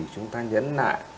chúng ta nhấn lại